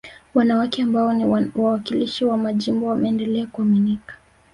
Wanawake ambao ni wawakilishi wa majimbo wameendelea kuaminika